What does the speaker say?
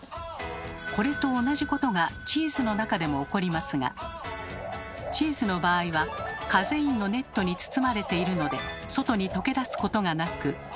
これと同じことがチーズの中でも起こりますがチーズの場合はカゼインのネットに包まれているので外に溶け出すことがなく。